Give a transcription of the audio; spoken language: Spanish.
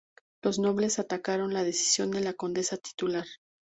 Los nobles acataron la decisión de la condesa titular.